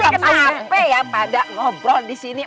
ini kena apa ya pada ngobrol di sini